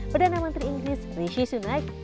perdana menteri inggris rishi sunaic